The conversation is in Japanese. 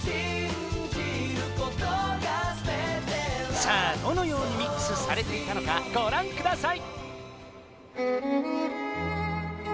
さあどのようにミックスされていたのかご覧ください